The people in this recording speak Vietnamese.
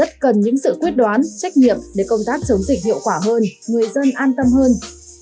cần những sự quyết đoán trách nhiệm để công tác chống dịch hiệu quả hơn người dân an tâm hơn